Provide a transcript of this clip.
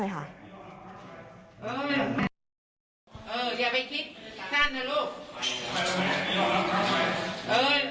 ไม่พี่คิดว่าเอ๊ะน่าจะมีความคิดมากกว่านี้ทำไมถึงสาธารณะกับตัวเอง